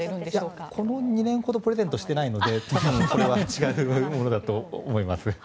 いや、この２年ほどプレゼントしてないのでこれは違うものだと思います。